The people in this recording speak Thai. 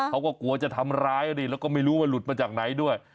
เขาก็กลัวจะทำร้ายดิแล้วก็ไม่รู้ว่าหลุดมาจากไหนด้วย